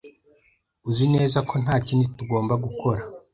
Uzi neza ko ntakindi tugomba gukora?